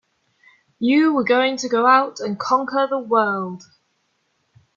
You were going to go out and conquer the world!